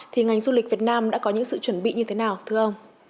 thì ngành du lịch việt nam đã có những sự chuẩn bị như thế nào thưa ông